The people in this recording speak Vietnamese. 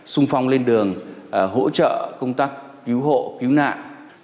sung phong lên đường hỗ trợ công tác cứu hộ cứu nạn